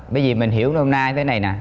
bởi vì mình hiểu hôm nay tới này nè